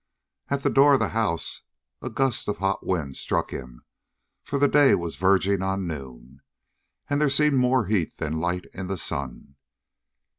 At the door of the house a gust of hot wind struck him, for the day was verging on noon, and there seemed more heat than light in the sun.